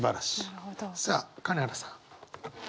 さあ金原さん。